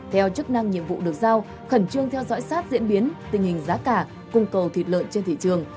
theo chức năng nhiệm vụ được giao khẩn trương theo dõi sát diễn biến tình hình giá cả cung cầu thịt lợn trên thị trường